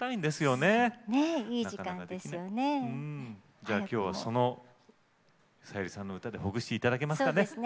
じゃあ今日はそのさゆりさんの歌でほぐしていただけますかね。